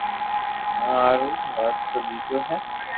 ھون مارو ما رو لاڌڪو ديڪرو ھون